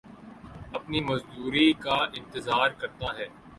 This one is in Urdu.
اپنی مزدوری کا انتظار کرتا ہے